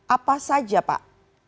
apa saja pak